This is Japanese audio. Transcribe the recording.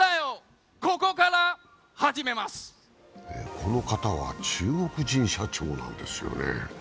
この方は中国人社長なんですよね。